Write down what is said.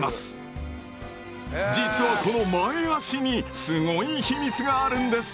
実はこの前足にすごい秘密があるんです。